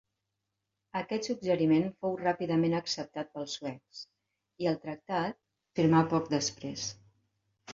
Aquest suggeriment fou ràpidament acceptat pels suecs, i el tractat es firmà poc després.